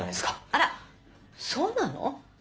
あらそうなの？